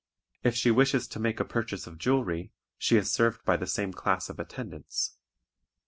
If she wishes to make a purchase of jewelry, she is served by the same class of attendants.